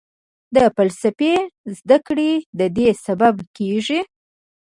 د فلسفې زده کړه ددې سبب کېږي.